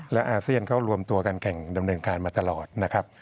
และอาเซียนเขารวมตัวกันแข่งดำเนินการมาตลอดนะครับ